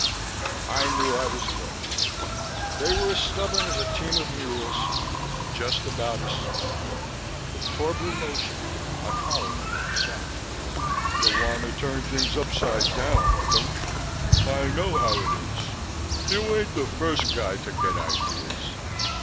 I knew I was licked. They were as stubborn as a team of mules and just about as smart. Torbu motioned; I followed him outside. "You wanna turn things upside down, don't you? I know how it is; you ain't the first guy to get ideas.